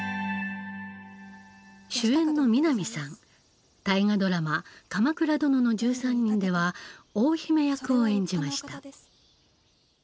主演の南さん大河ドラマ「鎌倉殿の１３人」では大姫役を演じました。